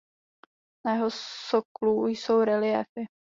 Na jeho soklu jsou reliéfy.